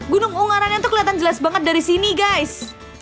gunung ungaranya tuh keliatan jelas banget dari sini guys